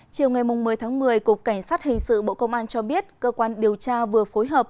chiều ngày một mươi tháng một mươi cục cảnh sát hình sự bộ công an cho biết cơ quan điều tra vừa phối hợp